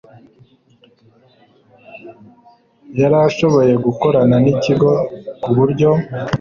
yarashoboye gukorana n ikigo ku buryo